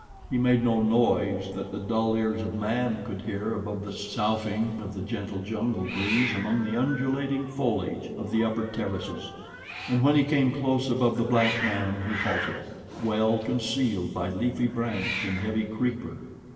He made no noise that the dull ears of man could hear above the soughing of the gentle jungle breeze among the undulating foliage of the upper terraces, and when he came close above the black man he halted, well concealed by leafy branch and heavy creeper.